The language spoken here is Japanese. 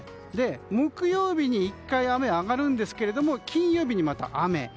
木曜日に１回雨あがるんですが金曜日にまた雨。